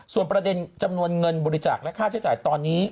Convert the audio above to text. ส่วนประเด็นจำนวนเงินบริจาคและค่าใช้จ่ายตอนนี้